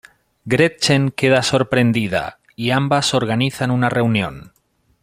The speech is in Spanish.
Gretchen queda sorprendida y ambas organizan una reunión.